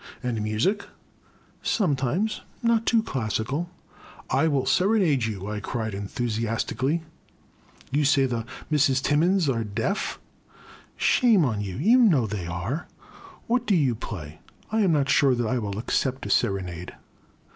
" And music? " Sometimes — ^not too classical I will serenade you !I cried enthusiastically, —'* you say the Misses Timmins are deaf? ' Shame on you ! you know they are. What do you play ? I am not sure that I will accept a serenade.